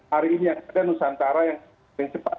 hari ini yang ada nusantara yang paling cepat